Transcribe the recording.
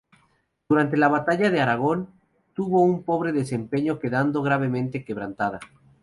Durante la batalla de Aragón tuvo un pobre desempeño, quedando gravemente quebrantada.